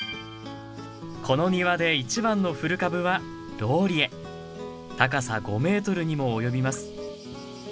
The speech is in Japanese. この庭で一番の古株は高さ５メートルにも及びます